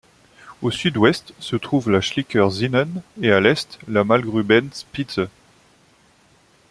Au sud-ouest se trouve le Schlicker Zinnen et à l'est la Malgrubenspitze.